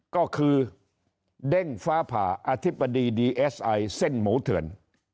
ก็คือเด้งฟ้าผ่าอธิบดีดีเอสไอเส้นหมูเถื่อน